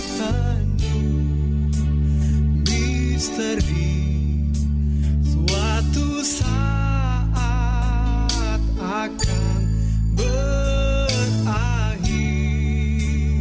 hanya misteri suatu saat akan berakhir